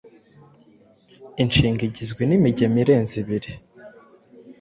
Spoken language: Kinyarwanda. inshinga igizwe n’imigemo irenze ibiri,